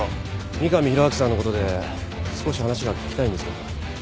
三上弘明さんのことで少し話が聞きたいんですが。